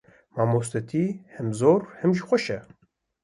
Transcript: Mamostetî him zor e him jî xweş e.